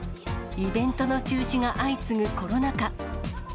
イベントの中止が相次ぐコロナ禍。